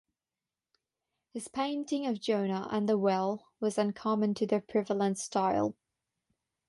His painting of "Jonah and the Whale" was uncommon to the prevalent style.